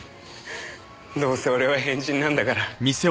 どうせ俺は変人なんだから。